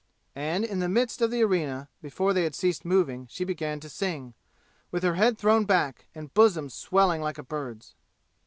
And in the midst of the arena before they had ceased moving she began to sing, with her head thrown back and bosom swelling like a bird's.